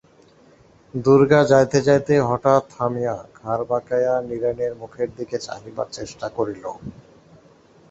দুর্গা যাইতে যাইতে হঠাৎ থামিয়া ঘাড় বাঁকাইয়া নীরেনের মুখের দিকে চাহিবার চেষ্টা করিল।